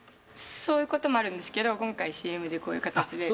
そういうこともあるんですけど今回ＣＭでこういう形で。